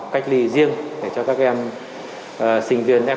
cách ly riêng để cho các em